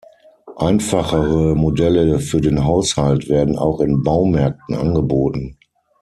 Einfachere Modelle für den Haushalt werden auch in Baumärkten angeboten.